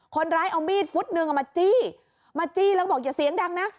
คนร้ายเอามีดฟุตนึงเอามาจี้มาจี้แล้วบอกอย่าเสียงดังนะ